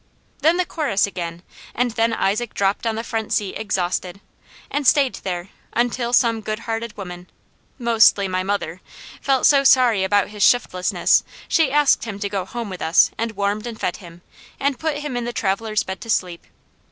Then the chorus again, and then Isaac dropped on the front seat exhausted, and stayed there until some good hearted woman, mostly my mother, felt so sorry about his shiftlessness she asked him to go home with us and warmed and fed him, and put him in the traveller's bed to sleep.